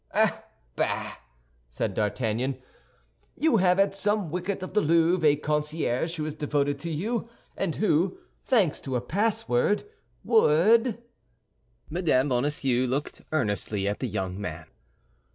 "Ah, bah!" said D'Artagnan; "you have at some wicket of the Louvre a concierge who is devoted to you, and who, thanks to a password, would—" Mme. Bonacieux looked earnestly at the young man.